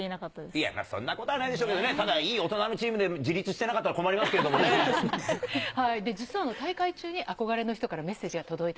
いや、そんなことはないでしょうけどね、ただ、いい大人のチームで自立してなかったら困りま実は大会中に憧れの人からメ